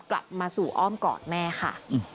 กลับมาสู่อ้อมกอดแม่ค่ะ